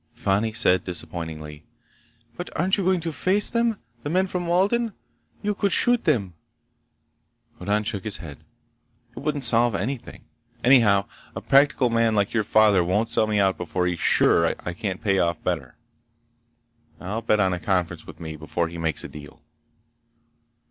Fani said disappointedly: "But aren't you going to face them? The men from Walden? You could shoot them!" Hoddan shook his head. "It wouldn't solve anything. Anyhow a practical man like your father won't sell me out before he's sure I can't pay off better. I'll bet on a conference with me before he makes a deal."